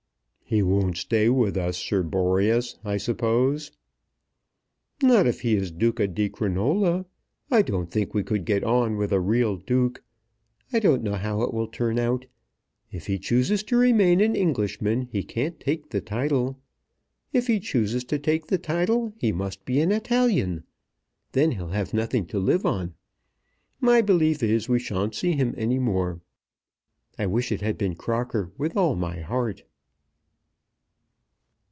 "He won't stay with us, Sir Boreas, I suppose?" "Not if he is Duca di Crinola. I don't think we could get on with a real duke. I don't know how it will turn out. If he chooses to remain an Englishman he can't take the title. If he chooses to take the title he must be an Italian, then he'll have nothing to live on. My belief is we shan't see him any more. I wish it had been Crocker with all my heart."